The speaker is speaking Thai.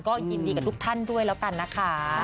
ก็ยินดีกับทุกท่านด้วยแล้วกันนะคะ